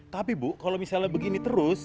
tapi bu kalau misalnya begini terus